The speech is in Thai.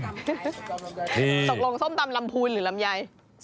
ตกลงส้มตำลำพูนหรือลำไย